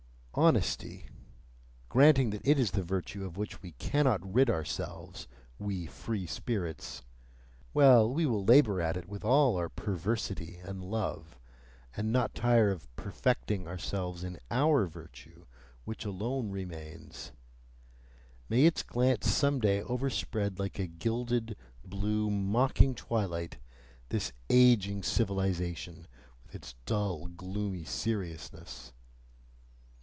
Honesty, granting that it is the virtue of which we cannot rid ourselves, we free spirits well, we will labour at it with all our perversity and love, and not tire of "perfecting" ourselves in OUR virtue, which alone remains: may its glance some day overspread like a gilded, blue, mocking twilight this aging civilization with its dull gloomy seriousness!